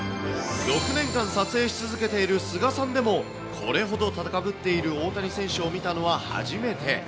６年間撮影し続けている菅さんでも、これほどたかぶっている大谷選手を見たのは初めて。